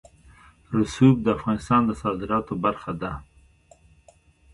رسوب د افغانستان د صادراتو برخه ده.